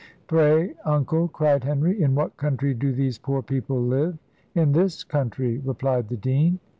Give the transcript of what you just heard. "Pray, uncle," cried Henry, "in what country do these poor people live?" "In this country," replied the dean.